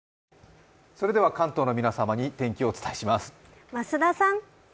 それでは関東の皆様に天気をお伝えします。